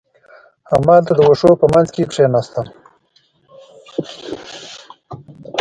همالته د وښو په منځ کې کېناستم.